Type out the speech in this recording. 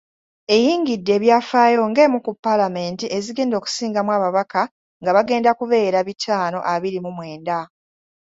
Eyingidde ebyafaayo ng’emu ku Paalamenti ezigenda okusingamu ababaka nga bagenda kubeera bitaano abiri mu mwenda..